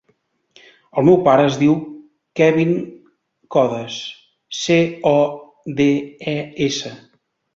El meu pare es diu Kevin Codes: ce, o, de, e, essa.